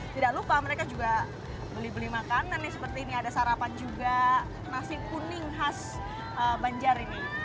tidak lupa mereka juga beli beli makanan nih seperti ini ada sarapan juga nasi kuning khas banjar ini